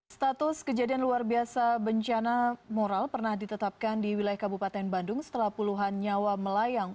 status kejadian luar biasa bencana moral pernah ditetapkan di wilayah kabupaten bandung setelah puluhan nyawa melayang